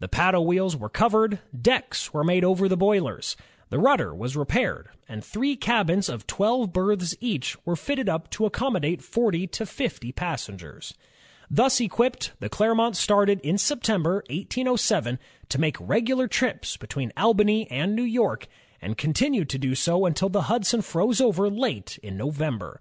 The paddle wheels were covered, decks were made over the boilers, the rudder was repaired, and three cabins of twelve berths each were fitted up to accommodate forty to fifty passengers. Thus equipped, the Clermont started in September, 1807, to make regular trips between Albany and New York, and continued to do so until the Hudson froze over late in November.